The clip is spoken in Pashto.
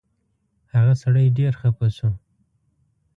هغه سړی ډېر خفه شو.